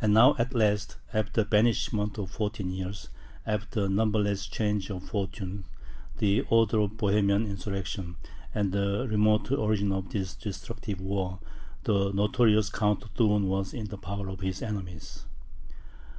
And now at last, after a banishment of fourteen years, after numberless changes of fortune, the author of the Bohemian insurrection, and the remote origin of this destructive war, the notorious Count Thurn, was in the power of his enemies.